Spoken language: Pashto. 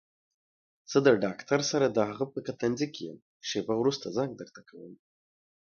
زه د ډاکټر سره دهغه په کتنځي کې يم شېبه وروسته زنګ درته کوم.